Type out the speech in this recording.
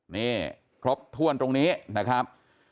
นี่ครบถ้วนตรงนี้นะครับ